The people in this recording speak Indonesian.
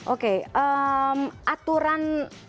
oke aturan lima